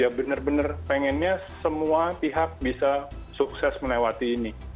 ya benar benar pengennya semua pihak bisa sukses melewati ini